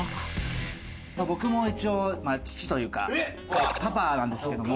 僕も一応父というかパパなんですけれども。